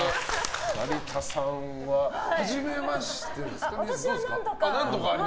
成田さんははじめましてですか、皆さん。